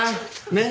ねっ？